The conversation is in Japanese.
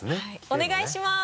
お願いします。